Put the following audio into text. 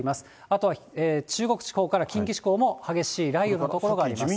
あとは中国地方から近畿地方も激しい雷雨の所があります。